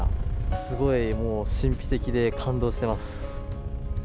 すごいもう、神秘的で感動しています。